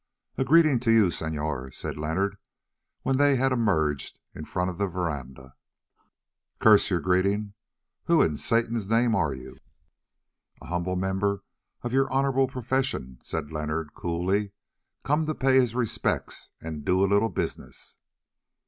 "A greeting to you, senor," said Leonard when they had emerged in front of the verandah. "Curse your greeting! Who in Satan's name are you?" "A humble member of your honourable profession," said Leonard coolly, "come to pay his respects and do a little business."